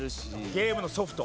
ゲームのソフト。